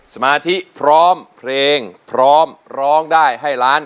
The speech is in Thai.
สมาธิพร้อมเพลงพร้อมร้องได้ให้ล้าน